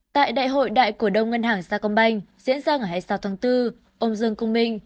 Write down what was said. tại đại hội đại cổ đông ngân hàng sa công banh diễn ra ngày hai mươi sáu tháng bốn ông dương công minh